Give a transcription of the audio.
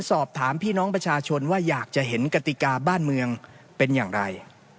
สอบถามพี่น้องประชาชนว่าอยากจะเห็นกติกาบ้านเมืองเป็นอย่างไร